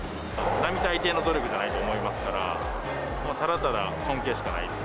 並大抵の努力じゃないと思いますから、ただただ尊敬しかないです。